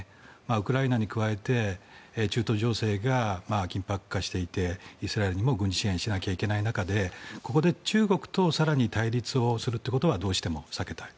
ウクライナに加えて中東情勢が緊迫化していてイスラエルにも軍事支援しなきゃいけない中でここで中国と更に対立をするということはどうしても避けたい。